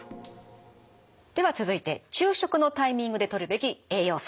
では続いて昼食のタイミングでとるべき栄養素。